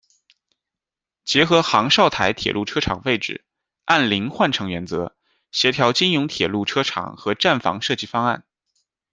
结合杭绍台铁路车场位置，按零换乘原则，协调金甬铁路车场和站房设计方案。